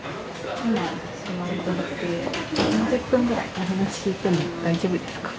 ３０分ぐらいお話聞いても大丈夫ですか？